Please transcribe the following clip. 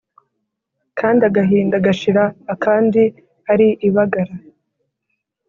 kandi agahinda gashira akandi ari ibagara